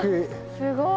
すごい。